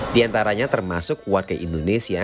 di antaranya termasuk warga indonesia